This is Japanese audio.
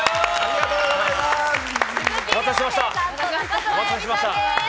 鈴木亮平さんと中条あやみさんです。